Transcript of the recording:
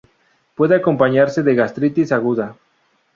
Puede acompañarse de gastritis aguda.